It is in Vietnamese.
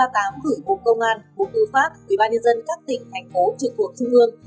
gửi bộ công an bộ tư pháp quỹ ban nhân dân các tỉnh thành phố trực quốc trung ương